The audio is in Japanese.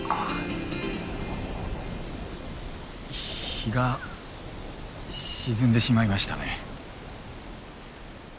日が沈んでしまいましたね。